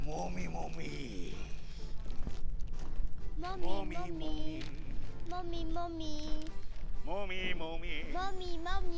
もみもみ。